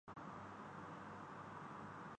غریب الوطنی کا زہر نہ پینا پڑے